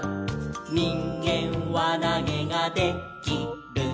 「にんげんわなげがで・き・る」